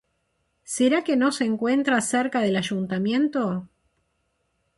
¿será que no se encuentra cerca del Ayuntamiento?